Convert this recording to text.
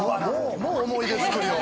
もう思い出作りを？